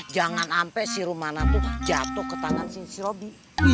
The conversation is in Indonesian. jangan sampe si rumana tuh jatuh ke tangan si robi